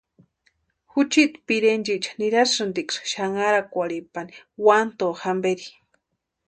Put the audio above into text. Juchiiti pirentsïcha nirasïntiksï xanharakwarhipani Uanto jamperi.